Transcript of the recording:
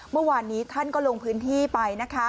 เมื่อวานนี้ท่านก็ลงพื้นที่ไปนะคะ